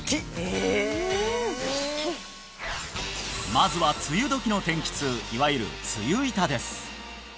まずは梅雨時の天気痛いわゆる梅雨痛です